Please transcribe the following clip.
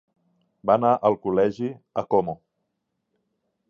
Va anar al col·legi a Como.